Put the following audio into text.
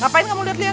ngapain kamu liat liat